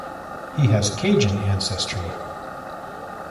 He has Cajun ancestry.